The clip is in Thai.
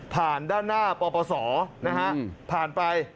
ผ่านด้านหน้าปปศนะครับผ่านไป